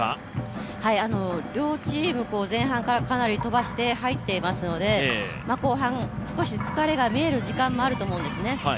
両チーム、前半からかなり飛ばして入っていますので後半、少し疲れが見える時間もあると思うんですね。